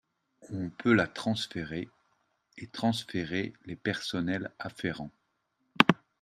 On peut la transférer, et transférer les personnels afférents.